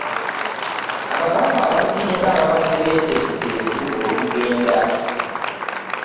Ababaka abasinga babadde beeteefuteefu okugenda.